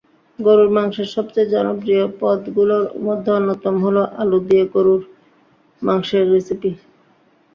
গরুর মাংসের সবচেয়ে জনপ্রিয় পদগুলোর মধ্যে অন্যতম হলো আলু দিয়ে গরুর মাংসের রেসিপি।